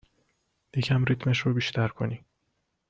یکم ریتمش رو بیشتر کنی